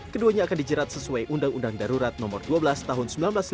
keduanya akan dijerat sesuai undang undang darurat nomor dua belas tahun seribu sembilan ratus lima puluh